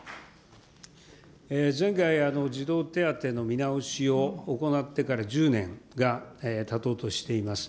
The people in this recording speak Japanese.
前回、児童手当の見直しを行ってから１０年がたとうとしています。